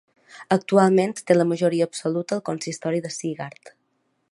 Actualment té la majoria absoluta al consistori de Segart.